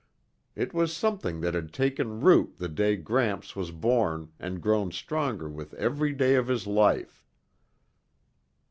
It was something that had taken root the day Gramps was born and grown stronger with every day of his life.